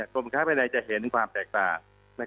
กรมค้าภายในจะเห็นความแตกต่าง